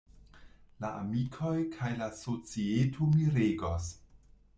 La amikoj kaj la societo miregos.